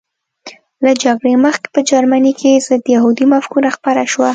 له جګړې مخکې په جرمني کې ضد یهودي مفکوره خپره شوه